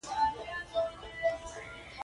لمسی له ښېګڼو سره لویېږي.